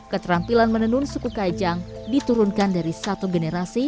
keterampilan menenun suku kajang diturunkan dari satu generasi